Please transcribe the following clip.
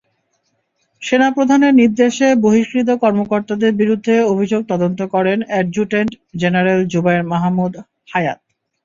সেনাপ্রধানের নির্দেশে বহিষ্কৃত কর্মকর্তাদের বিরুদ্ধে অভিযোগ তদন্ত করেন অ্যাডজুটেন্ট জেনারেল জুবায়ের মাহমুদ হায়াত।